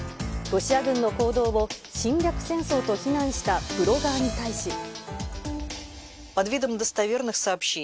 ロシア軍の行動を侵略戦争と非難したブロガーに対し。